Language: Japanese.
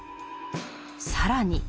更に。